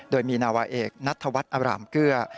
โดยมีนาวาเอกนัทธวัฒน์อารามเกลือ